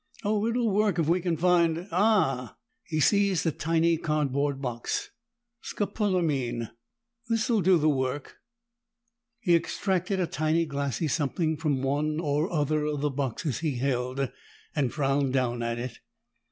"Oh, it'll work if we can find ah!" He seized a tiny cardboard box. "Scopolamine! This'll do the work." He extracted a tiny glassy something from one or other of the boxes he held, and frowned down at it.